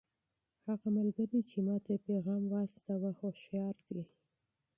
هغه ملګری چې ما ته یې پیغام واستاوه هوښیار دی.